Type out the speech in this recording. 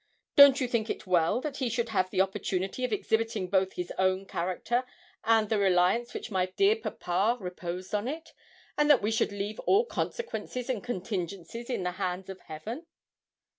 Don't you think it well that he should have this opportunity of exhibiting both his own character and the reliance which my dear papa reposed on it, and that we should leave all consequences and contingencies in the hands of Heaven?'